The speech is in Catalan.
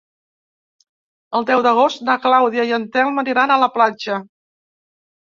El deu d'agost na Clàudia i en Telm aniran a la platja.